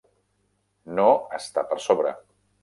No està per sobre.